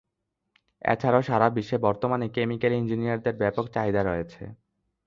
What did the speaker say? এছাড়াও সারা বিশ্বে বর্তমানে কেমিক্যাল ইঞ্জিনিয়ারদের ব্যাপক চাহিদা রয়েছে।